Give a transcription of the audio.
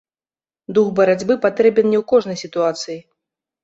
Дух барацьбы патрэбен не ў кожнай сітуацыі.